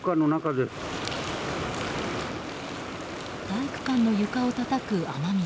体育館の床をたたく雨水。